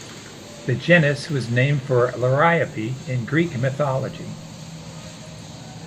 The genus was named for Liriope in Greek mythology.